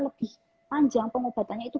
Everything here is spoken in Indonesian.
lebih panjang pengobatannya itu